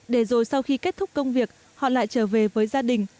để rồi sau khi kết thúc công việc họ lại trở về với gia đình